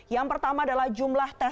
yang pertama adalah jumlah tes